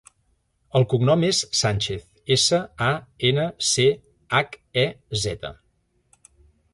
El cognom és Sanchez: essa, a, ena, ce, hac, e, zeta.